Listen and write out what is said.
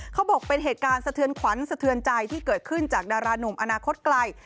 เขาบอกเป็นเหตุการณ์สะเทือนขวัญสะเทือนใจที่เกิดขึ้นจากดารานุ่มอนาคตไกล